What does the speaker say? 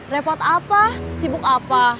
repot apa sibuk apa